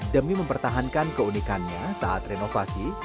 demi mempertahankan keunikannya saat renovasi